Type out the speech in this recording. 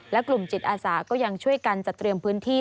และกลุ่มจิตอาสาก็ยังช่วยกันจัดเตรียมพื้นที่